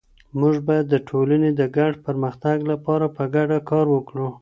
مونږ بايد د ټولني د ګډ پرمختګ لپاره په ګډه کار وکړو.